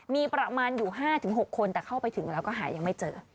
มีประมาณอยู่๕๖คนแต่เข้าไปถึงแล้วก็หายังไม่เจอ